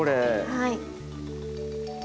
はい。